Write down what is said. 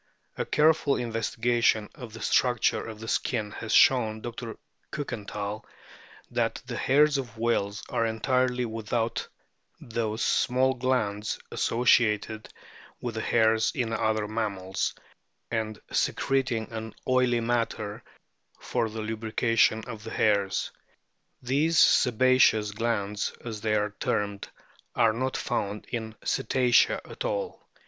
A careful investigation of the struc ture of the skin has shown Dr. Kukenthal that the hairs of whales are entirely without those small glands associated with the hairs in other mammals, and secreting an oily matter for the lubrication of the hairs ; these sebaceous glands, as they are termed, are not found in Cetacea at all.